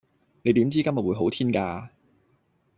你點知今日會好天㗎